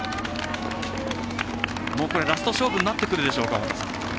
ラスト勝負になってくるでしょうか、尾方さん。